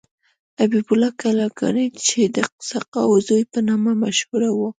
حبیب الله کلکانی چې د سقاو زوی په نامه مشهور و.